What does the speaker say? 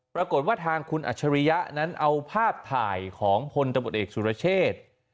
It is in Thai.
ปรากฏว่าทางคุณอัจฉริยะนั้นเอาภาพถ่ายของพลตำรวจเอกสุรเชษ